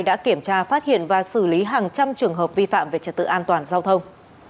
đã kiểm tra phát hiện và xử lý hàng trăm trường hợp vi phạm về trật tự an toàn giao thông